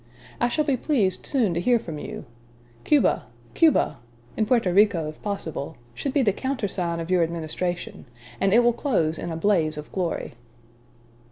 I shall be pleased soon to hear from you. Cuba! Cuba! (and Porto Rico, if possible) should be the countersign of your administration, and it will close in a blaze of glory."